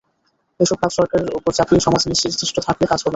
এসব কাজ সরকারের ওপর চাপিয়ে সমাজ নিশ্চেষ্ট থাকলে কাজ হবে না।